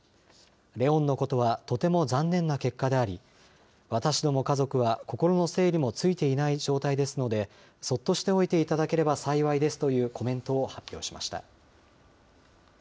怜音のことはとても残念な結果であり、私ども家族は心の整理もついていない状態ですので、そっとしておいていただければ幸いですというコメントを発表しました。